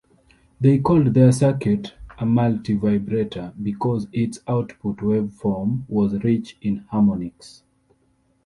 They called their circuit a "multivibrator" because its output waveform was rich in harmonics.